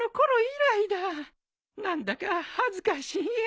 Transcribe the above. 何だか恥ずかしいよ。